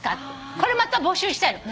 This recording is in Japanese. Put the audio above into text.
これまた募集したいの。